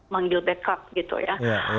manggil backup gitu ya